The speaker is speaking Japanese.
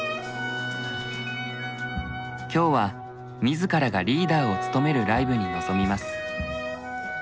今日は自らがリーダーを務めるライブに臨みます。